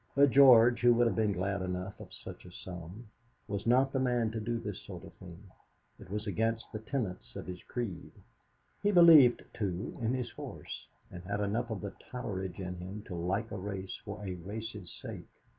But George, who would have been glad enough of such a sum, was not the man to do this sort of thing. It was against the tenets of his creed. He believed, too, in his horse; and had enough of the Totteridge in him to like a race for a race's sake.